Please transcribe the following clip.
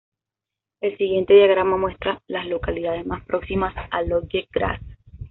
El siguiente diagrama muestra las localidades más próximas a Lodge Grass.